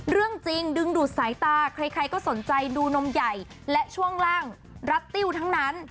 เรื่องจริงดึงดูดสายตาใครก็สนใจดูนมใหญ่และช่วงล่างรัดติ้วทั้งนั้น